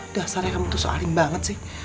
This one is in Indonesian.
dasarnya kamu tuh soalin banget sih